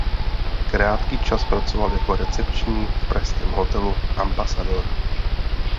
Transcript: Krátký čas pracoval jako recepční v pražském hotelu Ambassador.